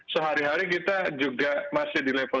sehari hari kita juga masih di level